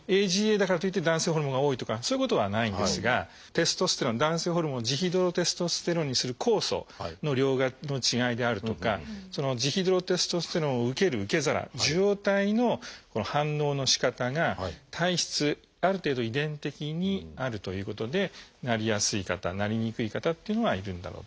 ＡＧＡだからといって男性ホルモンが多いとかそういうことはないんですがテストステロン男性ホルモンをジヒドロテストステロンにする酵素の量の違いであるとかジヒドロテストステロンを受ける受け皿受容体の反応のしかたが体質ある程度遺伝的にあるということでなりやすい方なりにくい方っていうのがいるんだろうといわれてます。